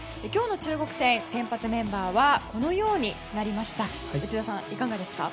今日の中国戦、先発メンバーはこのようになりました。